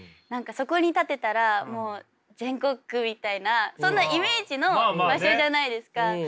そこに立てたらもう全国区みたいなそんなイメージの場所じゃないですか。